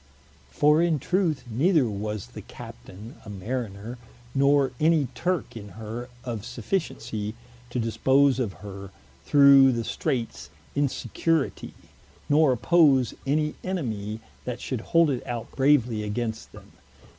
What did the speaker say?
For in truth neither was the Captaine a Mariner, nor any Turke in her of sufficiency to dispose of her through the Straites in securitie, nor oppose any enemie, that should hold it out bravely against them.